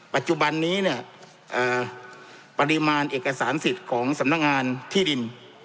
ปัจจุบันนี้เนี่ยปริมาณเอกสารสิทธิ์ของสำนักงานที่ดิน